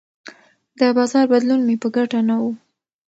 د بازار بدلون مې په ګټه نه و.